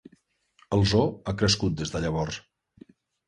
El zoo ha crescut des de llavors.